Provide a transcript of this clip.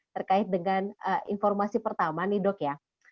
terkait dengan informasi pertama nih dok ya